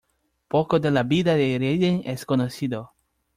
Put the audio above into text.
Poco de la vida de Reading es conocido.